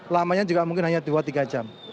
lamanya juga mungkin hanya dua tiga jam